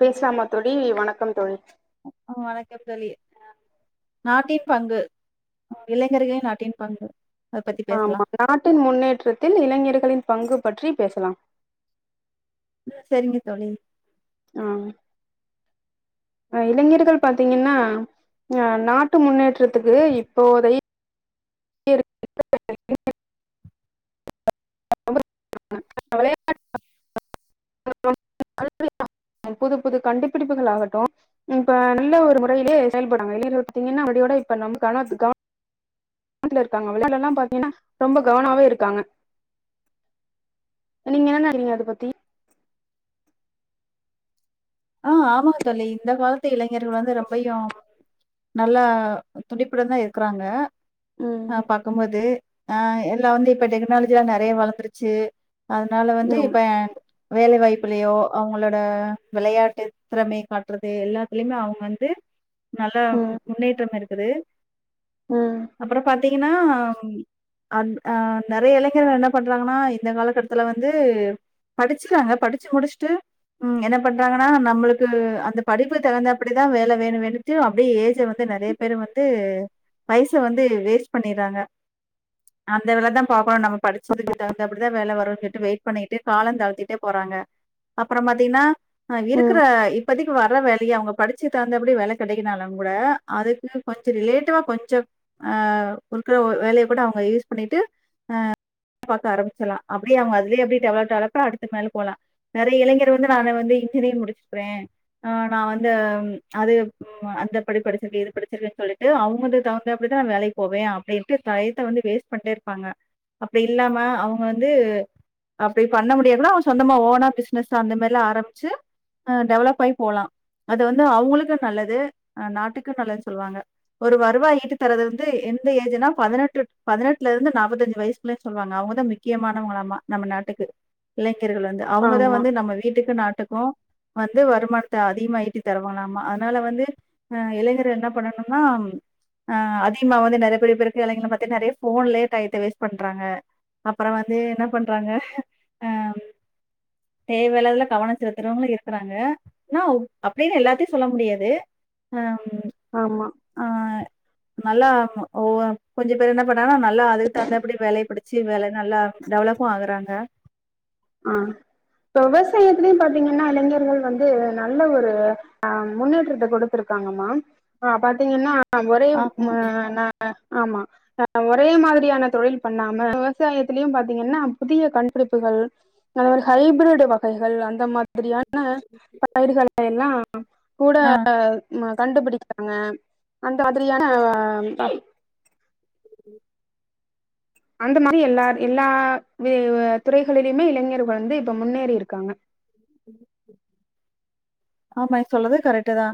பேசலாமா தோழி வணக்கம் தோழி ஆ வணக்கம் தோழி நாட்டின் பங்கு இளைஞர்களின் நாட்டின் பங்கு அத பத்தி ஆமா பேசலாம். நாட்டின் முன்னேற்றத்தில் இளைஞர்களின் பங்கு பற்றி பேசலாம் செரிங்க தோழி ஆ இளைஞர்கள் பாத்தீங்கன்னா அ நாட்டு முன்னேற்றத்துக்கு இப்போதை [inaudible] புது புது கண்டுபிடிப்புகள் ஆகட்டு இப்ப நல்ல ஒரு முறையிலயே செயல்பாடுங்க எடுத்தீங்கன்னா அப்படியோட இப்ப நம்ம [unintelligible] பக்கத்துல இருக்காங்க முன்னாடிவிட எல்லா பாத்தீங்கன்னா ரொம்ப கவனாவே இருக்காங்க நீங்க என்ன நெனக்கிறீங்க அத பத்தி ஆ ஆமாங்கத் தோழி இந்த காலத் து இளைஞர்கள் வந்து ரொம்பயு நல்லா துடிப்புடன்தா இருக்கறாங்க ஆ ம் பாக்கும்போது ஆ எல்லா வந்து இப்ப டெக்னாலஜி எல்லா நறைய வளர்ந்துருச்சு அதனால வந்து ம் இப்ப எ வேலைவாய்ப் அப்பள்ளையோ அவங்களோட விளையாட்டு திறமைய காட்டுறது எல்லாத்துலயுமே அவங்க வந்து நல்லா ம் முன்னேற்றம் இருக் று ம் அப்பறோ பாத் தெரியுமா அ அ நறைய இளைஞர்கள் என்ன பண்றாங்கன்னா இந்த காலகட்டத்துல வந்து படிச்சிறாங்க படிச்சு முடுச்ட்டு என்ன பண்றாங்கன்னா நம்மளுக்கு அந்த படிப்பு தகுந்தபடிதா வேல வேணு வேணுன்ட்டு அப்டியே ஏஜ வந்து நறைய பேரு வந்து வைச வந்து வேஸ்ட் பண்ணிறாங்க அந்த வேலதா பாப்போ நம்ம படிச்சுதுக்கு தகுந்தபடிதா வேல வருன் வெய்ட் பண்ணிட்டே காலந் தாழ்த்திட்டே போறாங்க அப்புறம் பாத்தீங்னா அ இருக்கற ம் இப்பதிக்கு வர வேலைய அவங்க படிச் ச்சு தகுந்த படியே வேல கெடைக்கலனாலு கூட அதுக்கு கொஞ்ச ரிலேட்டவா கொஞ்சம் அ இருக்குற வேலைய கூட அவுங்க யூஸ் பண்ணிட்டு அ பாக்க ஆரம்பிச்ல்லா அப்படியே அவுங்க அதுலயே அப்படி டெவல்ட் ஆகப்ப அடுத்த வேலைக் போலா நறைய இளைஞர் வந்து நா அத வந்து [unintelligible] அ நா வந்து அது அந்த படி படிச்சிருக்க இது படிச்சிருக்கன்னு சொல்லிட்டு அவுங்களுக்கு தகுந்த அப்படிதா நா வேலைக்கு போவே அப்டின்ட்டு டயத்த வந்து வேஸ்ட் பண்ட்டே இருப்பாங்க அப்டி இல்லாம அவுங்க வந்து அப்டி பண்ண முடியாது அவுங்க சொந்தமா ஓனா பிஸ்னஸ் அந்த மாரிலா ஆரமிச்சு அ டெவலப் ஆய் போலா அது வந்து அவங்களுக்கு நல்லது அ நாட்டுக்கு நல்லதுன்னு சொல்லுவாங்க ஒரு வருவாய் ஈட்டு தரது இருந்து எந்த ஏஜுன்னா பதனெட்டு பதனெட்ல இருந்து நாப்பத்தஞ்சு வயசுக்குள்ள சொல்லுவாங்க அவங்கதா முக்கியமானவங்களாமா நம்ம நாட்டுக்கு இளைஞர்கள் வந்து அவுங்கதா ஆமா வந்து நம்ம வீட்டுக்கு நாட்டுக் போ வந்து வருமானத்த அதிகமா ஈட்டி தருவாங்ளாமா அதனால வந்து அ இளைஞர்கள் என்ன பண்ணணும்னா அ அதிகமா வந்து நறைய பேர் பேருக்கு இளைஞர பத்தி நறைய ஃபோன்லயே டையத்த வேஸ்ட் பண்றாங்க அப்பறோ வந்து என்ன பண்றாங்க அ தேவயில்லாததுல கவனோ செலுத்துறவங்களு இரு இருக்கறாங்க [unintelligible] அப்டின்னு எல்லாத்தியு சொல்ல முடியாது அ ஆமா நல்லா ஓ கொஞ்ச பேருந்தா படுத் தாங்கனா நல்லா அதுக் தகுந்தபடி வேலைய படிச்சு வேல நல்லா டெவலப்பு ஆகுறாங்க ஆ இப்ப விவசாயத்திலயும் பாத்தீங்கன்னா இளைஞர்கள் வந்து நல்ல ஒரு ஆம் முன்னேற்றத்த கொடுத்திருக்காங்கம்மா பாத்தீங்கன்னா ஆ ஒரே ஆமா நா நா ஆமா அ ஒரே மாதிரியான தொழில் பண்ணாம விவசாயத்திலயு பாத்தீங்கன்னா புதிய கண்டுபிடிப்புகள் அந்த மாரி ஹைப்ரீடு் வகைகள் அந்த மாதிரியான் ன பயிர்கள எல்லா கூட ஆஹ் மா கண்டுபிடிக்காங்க அந்த மாதிரியான உம் அந்த மாரி எல்லார் எல்லா வே வ துறைகளிலயுமே இளைஞர்கள் வந்து இப்ப முன்னேறிருக்காங்க ஆமா சொல்லறதே கரெக்டு தா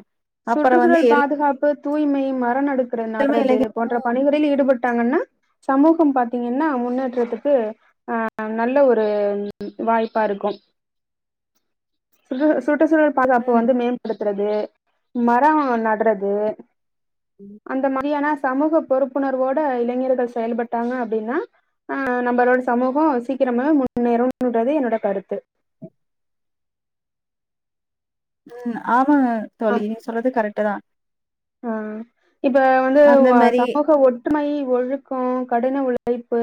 சுற்றுசூழல் பாதுகாப்பு தூய்மையும் மரநடு எல்லாருமே நட்றது இளைஞர் போன்ற பணிகளில் ஈடுபட்டாங்கன்னா சமூகம் பாத்தீங்கன்னா முன்னேற்றத்துக்கு ஆ நல்ல ஒரு வாய்ப்பா இருக்கு சுற்றுச்சூழல் பாதுகாப்பு ம், வந்து மேம்படுத் துறது மரோ நட்றது அந்த மா ஸ் சமூக பொறுப்புணர்வோட இளைஞர்கள் செயல்பட்டாங்க அப்டின்னா அ நம்மளோட சமூகோ சீக்கிரமே முன்னேறுன்றது என்னோட கருத்து உம் ஆ ஆ ஆ தோழி நீங்க சொல்றது கரெக்ட்டு தா ஆ இப்ப வந்து அந்த மாதிரி சமூக ஒற்றுமை ஒழுக்கோ கடின உழைப்பு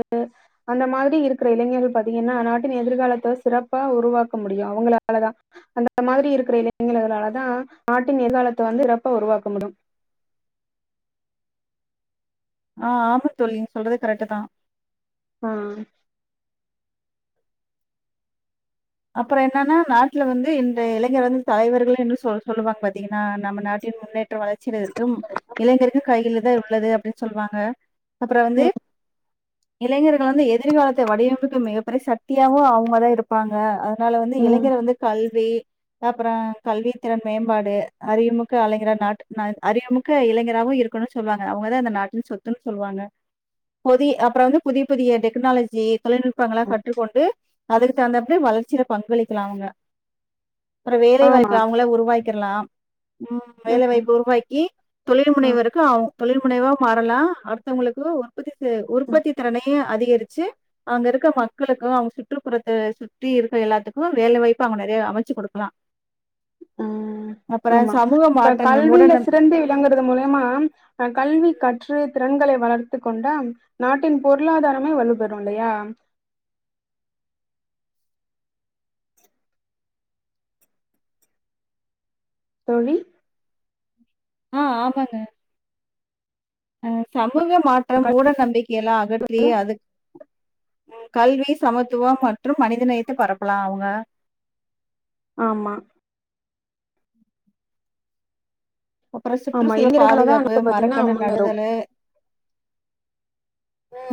அந்த மாதிரி இருக்கிற இளைஞர்கள் பாத்தீங்கன்னா நாட்டின் எதிர்காலத்த சிறப்பா உருவாக்க முடியு அவுங்களாலதா அந்த மாதிரி இருக்கிற இளைஞர்களாலதா நாட்டின் எதிர்காலத்த வந்து சிறப்பா உருவாக்க முடியு ஆ ஆம தோழி நீங்க சொல்றது கரெக்ட்டு தா ஆ அப்ரோ என்னன்னா நாட்ல வந்து இன்றைய இளைஞர் வந்து தலைவர்களு என்று சொ சொல்லுவாங்க பாத்தீங்கன்னா நம்ம நாட்டின் முன்னேற்ற வளர்ச்சில இருக்கும் இளைஞருக்கு கையில தா உள்ளது அப்படின் சொல்வாங்க அப்ரோ வந்து ம், இளைஞர்கள் வந்து எ எதிர்காலத்த வடிவமைக்கு மிகப்பெரிய சக்தியாகவு அவுங்க தா இருப்பாங்க ஆ அ அதனால வந்து ம். இளைஞர் வந்து கல்வி அப்ரோ கல்வி திறன் மேம்பாடு அறிமுக்க அலைஞரா நாட்டு நா அறிமுக்க இளைஞராாகவும் இருக்கணும்னு சொல்லுவாங்க அவங்கதான் இந்த நாட்டின் சொத்துன்னு சொல்லுவாங்க புதி அப்புறம் வந்து புதிய புதிய டெக்னாலஜி தொழில்நுட்பங்களா கற்றுகொண்டு அதுக்கு தகுந்த வளர்ச்சில பங்களிக்கலா அவங்க அப்ரோ ஆமா. வேலைவாய்ப்பு அவுங்களே உருவாக்கிர்லா உம் ம், வேலைவாய்ப்பு உருவாக்கி தொழில் ம், முனைவருக்கு அவுங் தொழில் முனைவா மாறலா அடுத்தவங்களுக்கு உற்பத்தி ம், உற்பத்தி திறனையு அதிகரிச்சு அங்க இருக்க மக்களுக்கு அவங்க சுற்றுப்புறத்த சுட் சுற்றி இருக்க எல்லாத்துக்கு வேலைவாய்ப்பு அவங்க நறையா அமச்சு குடுக்கலா உம் அப்புற ஆமா சமூக இப்ப மாற்றங்கள் மூட கல்வில நம் சிறந்து விளங்குறது மூலியாம கல்வி கற்று திறன்களை வளர்த்து கொண்டா நாட்டின் பொருளாதாரமே வலுபெறு இல்லையா தோழி ஆ ஆமாங்க அ சமு கூங்க மாற்றம் கல் மூட நம்பிக்கையெல்லா அகற்றி அதுக் கல்வி சமத்துவம் மற்றும் மனிதநேயத்த பரப்பலா அவங்க ஆமா அப்பறோ ஆமா. சுற்றுச்சூழ் இளைஞர்கள தான் பாதுகாப்பு வந்து பார்த்தீங்கன்னா மரக்கண்டு முன்னேறும். நடுதலு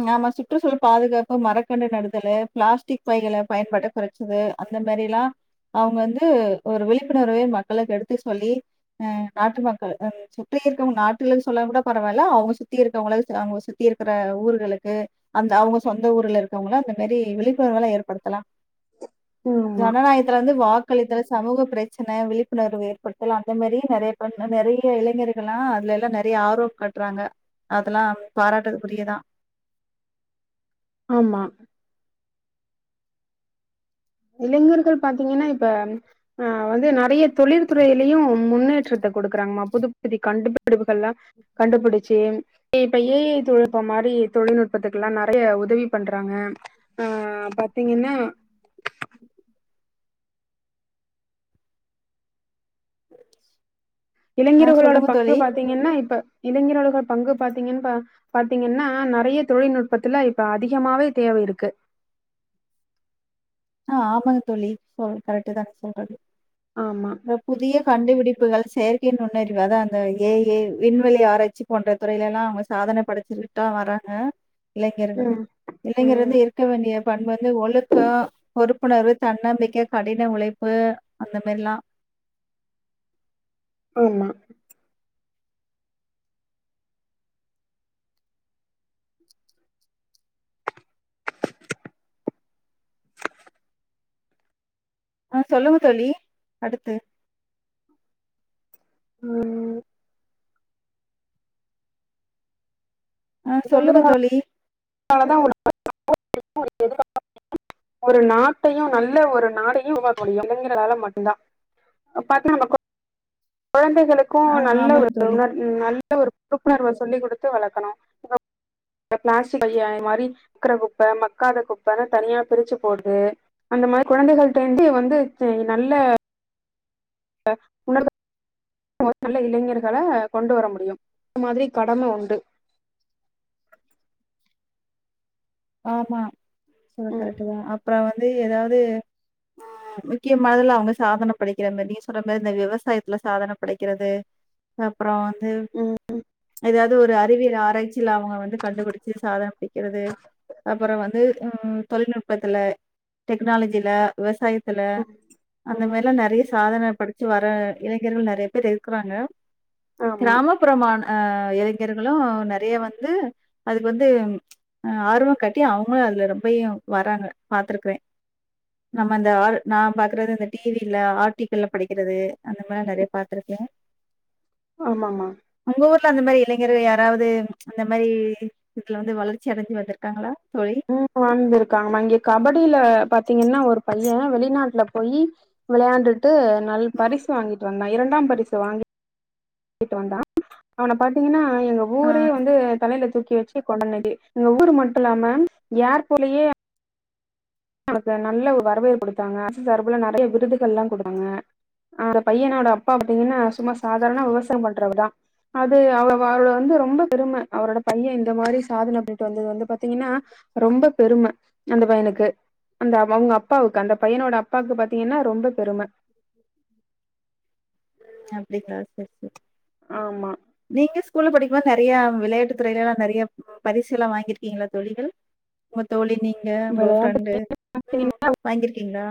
ம் ஆமா சுற்றுச்சூழல் பாதுகாப்பு மரக்கண்று நடுதலு பிளாஸ்டிக் பைகள பயன்பாட்ட குறச்சது அந்த மாரிலா அவங்க வந்து ஒரு விழிப்புணர்வை மக்களுக்கு எடுத்து சொல்லி அ நாட்டு மக்கள் அ சுற்றி இருக்கவங்க நாட்டு சொல்லாங் கூட பரவால்ல அவங்க சுத்தி இருக்கவங்களுக்கு அவங்க சுத்தி இருக்குற ஊர்களுக்கு அந்த அவங்க சொந்த ஊர்ல இருக்கவங்கள அந்த மாரி விழிப்புணர்வுள ஏற்படுத்தலாம் ம், ஆமா, ஜனநாயகத்துல வந்து வாக் க்களித்தல் சமூக பிரச்சன விழிப்புணர்வு ஏற்படுத்தல் அந்த மாரி நறைய பண்ண மாரி இளைஞர்கள்ல்லா அதுல எல்லா நறைய ஆரோப் கட்றாங்க அதல்லாம் பாராட்டுக்குரியதா ஆமா இளைஞர்கள் பாத்தீங்கன்னா இப்ப ஆ வந்து நறைய தொழிற்துறையிலயு முன்னேற்றத்தப் கொடுக்குறாங்மா புது புது கண்டுபிடி பிடிப்புகல்லா கண்டுபுடுச்சு இப்ப ஏஐ தொழில் நுட்பம் மாரி தொழில்நுட்பத்துக்கு எல்லா நறைய உதவி பண்றாங்க ஆ பாத்தீங்கன்னா ஆ இளைஞர்களோட சொல்லுங்க பங்கு தோழி. பாத்தீங்கன்னா இப்ப இளைஞர்களுட பங்கு பாத்தீங்கன்னு பா பாத்தீங்கன்னா நறைய தொழில்நுட்பத்துல இப்ப அதிகமாவே தேவை இருக்கு ஆ ஆமாங்க தோழி ஓ கரெக்ட்டுதா சொல்றது ஆமா இந்த புதிய கண்டுபிடிப்புகள் செயற்கை நுண்ணறிவு அத அந்த ஏ ஏ விண்வெளி ஆராய்ச்சி போன்ற துறையிலெல்லா அவங்க சாதன படைச்சுக்கிட்டா வர்றாங்க இளைஞர்கள் ம் இளைஞர் ம் வந்து இருக்க வேண்டிய பண் வந்து ஒழுங்கா பொறுப்புணர்வு தன்னம்பிக்க கடின உழைப்பு அந்த மாரில்லா ஆமா அ சொல்லுங்க தோழி அடுத்து ம் ஆ [unintelligible] சொல்லுங்க தோழி. ந்தாலதா [unintelligible] [inaudible] ஒரு நாட்டையு நல்ல ஒரு நாடையு உருவாக்க முடியு இளைஞர்களால மட்டுந்தா பாத்தீன்னா நம்ம கொ கொழந்தைகளுக்கு ஆ நல்ல ஒரு ஆமாங்க தோழி. உணர் நல்ல ஒரு பொ உணர்வ சொல்லி குடுத்து வளக்கணு பிளாஸ்டிக் பைய மாரி இருக்குற குப்ப மக்காத குப்பனு தனியா பிருச்சு போட்டுட்டு அந்த மாரி குழந்தைகளிட்டந்து வந்து நல்ல உணர்வ நல்ல இளைஞர்கள கொண்டு வர முடியும் இந்த மாதிரி கடம உண்டு ஆமா [unintelligible] ம் அப்பறோ வந்து ஏதாவது அ முக்கியமாதுல அவங்க சாதன படைக்கிற மாரி நீ சொல்ற மாரி இந்த விவசாயத்துல சாதன படைக்கிறது அப்புறோ [unintelligible] ஏதாவது ஒரு அறிவியல் ஆராய்ச் இல்ல அவங்க வந்து கண்டுபிடிச்சி சாதன பிக்கறது அப்ரோ வந்து அ தொழில்நுட்பத்துல டெக்னாலஜில விவசாய த்துல ம் அந்த ம் மாரிலா நறைய சாதன படிச்சி வர இளைஞர்கள் நறைய பேர் இருக்குறாங்க ஆமா கிராமப்புறமான அ இளைஞர்களு நறைய வந்து அதுக்கு வந்து அ ஆர்வோ காட்டி அவங்களு அதுல ரொம்பையு வராங்க பாத்துருக்றே நம்ம அந்த ஆல் நா பாக்குறது இந்த டி வில ஆர்டிக்கல்ல படிக்கறது அந்த மாரி நறைய பாத்துருக்கே ஆமாமா உங்க ஊல அந்த மாரி இளைஞர்கள் யாராவது அந்த மாரி இதுல வந்து வளர்ச்சி அடைஞ்சி வந்துருக் காங்களா உம் வாழ்ந்திருக்காங் மா இங்க கபடில பாத் தீங்கன்னா ஒரு பைய வெளிநாட்ல போயி விளையாண்டுட் டு நல் பரிசு வாங்கிட்டு வந் இரண்டாம் பரிசு வாங்கி ட்டு வந்தான் அவன பாத்தீங்கன்னா அ எங்க ஆ ஊரே வந்து தலையில தூக்கி வச்சி கொண்டடி எங்க ஊர் மட்டு இல்லாம யார் போலயே அவங்க நல்ல ஒரு வரவேற்புடுத்தாங்க அசு சார்புல நறைய விருதுகள்ல்லா குடுத்தாங்க அ அந்த பையனோட அப்பா பாத்தீங்கன்னா சும்மா சாதாரண விவசாய பண்றவ தா அது அவள அவள வந்து ரொம்ப பெரும அவரோட பைய இந்த மாரி சாதன பண்ணிட்டு வந்தது வந்து பாத்தீங்கன்னா ரொம்ப பெரும அந்த பையனுக்கு அந்த அவங்க அப்பாவுக்கு அந்த பையனோட அப்பாக்கு பாத்தீங்கன்னா ரொம்ப பெரும அப்டிங்கலா செரி செரி ஆமா நீங்க ஸ்கூல்ல படிக்குபோது நறையா விளையாட்டு துறைலல்லா நறையா பரிசுல்லா வாங்கிருக்கீங்களா தோழிகள் உங்க தோழி நீங் ங்க உங்க விளையாட்டு ஃப்ரெண்டு வாங்கிருக்கீங்ளா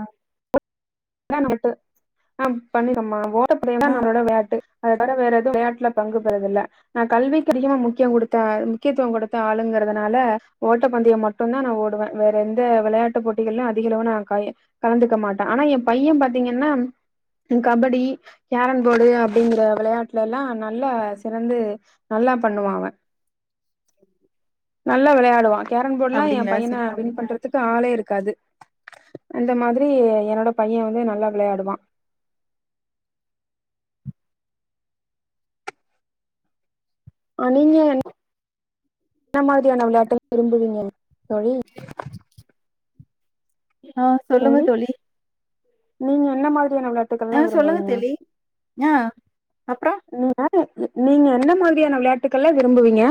ஆ பண்ணுங்கம்மா ஓ ட்ட பந்தயம் தா நம்மலோட வெளாட்டு அது தவற வேற எதும் விளையாட்டுல பங்கு பெறதில்ல நான் கல்விக்கு அதிகமா முக்யோ குடுத்த முக்கியத்துவோ குடுத்த ஆளுங்கறதுனால ஓட்டப்பந்தயம் மட்டு தா நா ஓடுவேன் வேற எந்த விளையாட்டுப் போட்டிகள்ளிலு அதிகளவு நா க கலந்துக்க மாட்டே ஆனா என் பைய பாத்தீங்கன்னா கபடி கேரம்போர்டு அப்டிங்கற விளையாட்லலா நல்லா சிறந்து நல்லா பண்ணுவா அவ உ நல்ல விளையாடுவான் கேரன் போர்ட்லா என் பைன சரி பண்றதுக்கு ஆளே இருக்காது அந்த மாதிரி என்னோட பைய வந்து நல்லா விளையாடுவா [unintelligible] என்ன மாதிரியான விளயாட்டு விரும்புவிங்க தோழி ஆ சொல்லுங்க தோழி நீங்க என்ன மாரி யான விளையாட்டுக்கல்லா ஆ சொல்லுங்க விரும்புவீங்க தோழி ஆ அப்றோ [unintelligible] நீங்க என்ன என்ன மாதிரியான விளையாட்டுக்கல்லா விரும்புவீங்க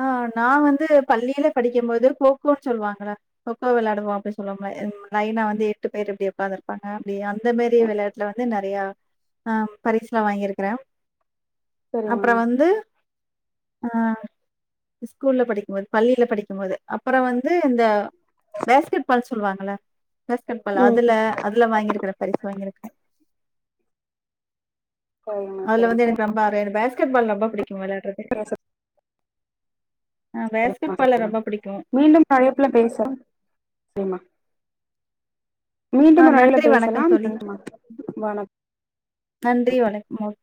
ஆ நா வந்து பள்ளியில படிக்கமோது கோக்கோ சொல்வாங்கள கொக்கோ விளையாடுவோ அப்டின் சொல்லுவோம்ல லெனா வந்து எட்டு பேரு இப்டி உக்காந்துருப்பாங்க ப்டி அந்த மேரி விளையாட்ல வந்து நறையா ஆ பரிஸ்லா வாங்கியிருக்கறே சரிமா அப்புற வந்து ஆ ஸ்கூல்ல படிக்கும்போது பள்ளியில படிக்கும்போது அப்புற வந்து இந்த பேஸ்கெட்பால் சொல்வாங்கல்ல பேஸ்கெட்பால் ம் அதுல அதுல வாங்கிருக்கற. பரிசு வாங்கிருக்கே. சரிமா அதுல சரிமா வந்து எனக்கு ரொம்ப அது எனக்கு பேஸ்கெட்பால் ரொம்ப பிடிக் கு வெளையாட்றது. ரொம்ப பிடிக்கு [inaudible] மீண்டும் அழைப்புல பேசலா செரிமா ஆ மீண்டும் ஒரு அழைப்புல நன்றி வணக்கம் பேசலாம் தோழி நன்றிம்மா வணக் செரி வணக்கம்